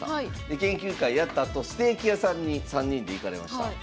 で研究会やったあとステーキ屋さんに３人で行かれました。